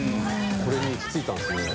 これに行き着いたんですね。